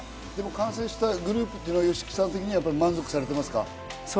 完成したグループはＹＯＳＨＩＫＩさん的には満足されていますか？